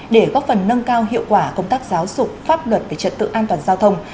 để góp phần nâng cao hiệu quả công tác giáo dục pháp luật về trật tự an toàn giao thông